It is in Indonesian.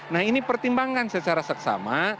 nah ini pertimbangkan secara seksama